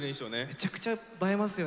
めちゃくちゃ映えますよね